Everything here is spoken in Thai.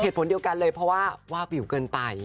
เหตุผลเดียวกันเลยเพราะว่าวาบอยู่เกินไป